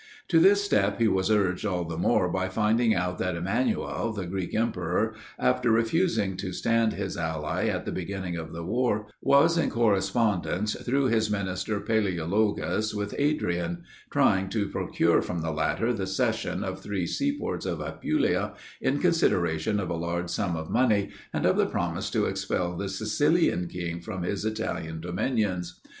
To this step he was urged all the more by finding out that Emanuel, the Greek emperor, after refusing to stand his ally at the beginning of the war, was in correspondence, through his minister Palaeologus, with Adrian; trying to procure from the latter the cession of three sea ports of Apulia in consideration of a large sum of money, and of the promise to expel the Sicilian king from his Italian dominions.